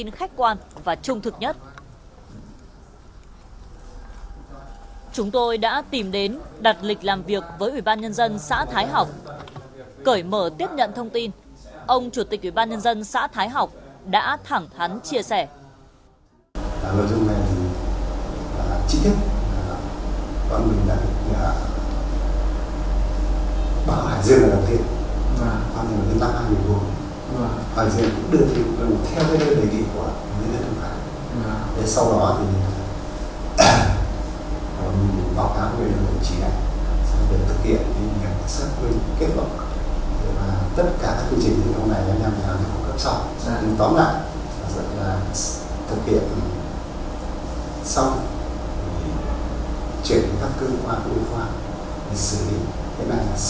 những chia sẻ của ông chủ tịch ủy ban nhân dân xã thái học là có lý